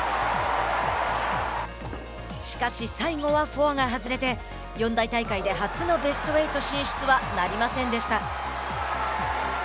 しかし、最後はフォアが外れて四大大会で初のベスト８進出はなりませんでした。